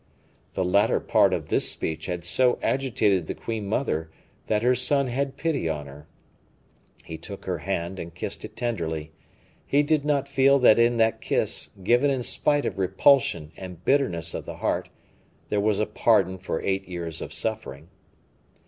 The latter part of this speech had so agitated the queen mother, that her son had pity on her. He took her hand and kissed it tenderly; she did not feel that in that kiss, given in spite of repulsion and bitterness of the heart, there was a pardon for eight years of suffering.